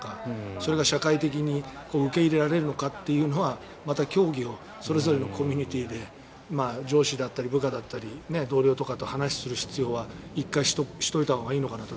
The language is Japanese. それが社会的に受け入れられるのかというのはまた協議をそれぞれのコミュニティーで上司だったり部下だったり同僚とかと話をする必要は１回しておいたほうがいいのかなと。